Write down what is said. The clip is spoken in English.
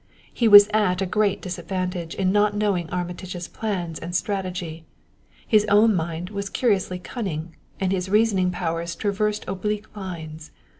He was at a great disadvantage in not knowing Armitage's plans and strategy; his own mind was curiously cunning, and his reasoning powers traversed oblique lines.